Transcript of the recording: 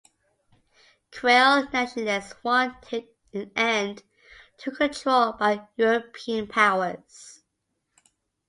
Creole nationalists wanted an end to control by European powers.